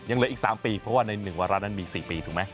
ยังเหลืออีก๓ปีเพราะว่าใน๑วาระนั้นมี๔ปีถูกไหม